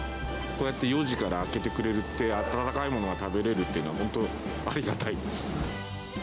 こうやって４時から開けてくれるって、温かいものが食べれるって本当、ありがたいです。